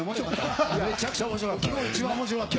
めちゃくちゃおもしろかった